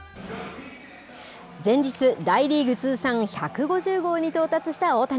前日、大リーグ通算１５０号に到達した大谷。